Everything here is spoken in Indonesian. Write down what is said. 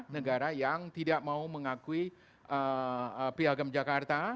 negara yang tidak mau mengakui piagam jakarta